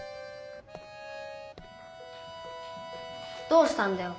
どうしたんだよ？